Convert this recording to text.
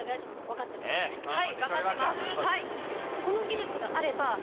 この技術があれば。